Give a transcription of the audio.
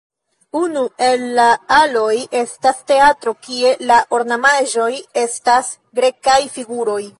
Unu el la aloj estas teatro, kie la ornamaĵoj estas grekaj figuroj.